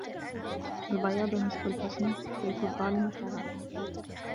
البياض نصف الحسن بيت الظالم خراب